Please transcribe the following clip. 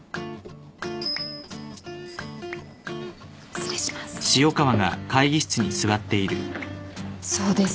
失礼します。